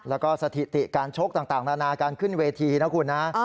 แล้วก็สถิติการชกต่างนานาการขึ้นเวทีนะคุณนะ